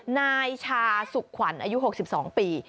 นายชาสุขขวัญอายุ๖๒ปี